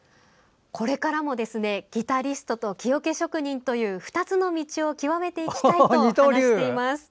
これからもギタリストと木おけ職人という２つの道を究めていきたいと話しています。